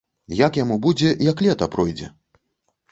Як яму будзе, як лета пройдзе?